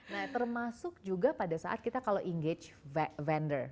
nah termasuk juga pada saat kita kalau engage vendor